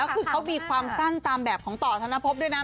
เขามีความสั้นตามแบบต่อทนพบด้วยนะ